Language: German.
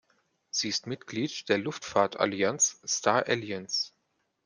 Sie ist Mitglied der Luftfahrtallianz Star Alliance.